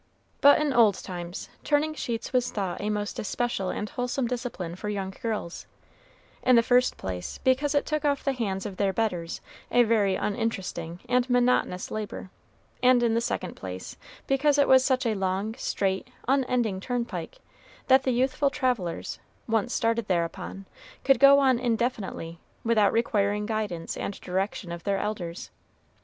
But in old times, turning sheets was thought a most especial and wholesome discipline for young girls; in the first place, because it took off the hands of their betters a very uninteresting and monotonous labor; and in the second place, because it was such a long, straight, unending turnpike, that the youthful travelers, once started thereupon, could go on indefinitely, without requiring guidance and direction of their elders.